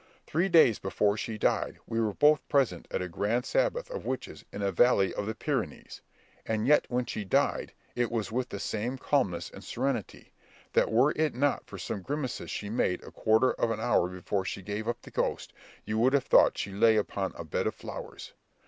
Three days before she died, we were both present at a grand sabbath of witches in a valley of the Pyrenees; and yet when she died it was with such calmness and serenity, that were it not for some grimaces she made a quarter of an hour before she gave up the ghost, you would have thought she lay upon a bed of flowers.